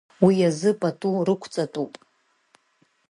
Уи азы пату рықәҵатәуп.